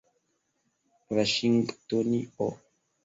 vaŝingtonio